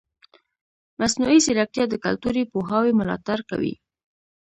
مصنوعي ځیرکتیا د کلتوري پوهاوي ملاتړ کوي.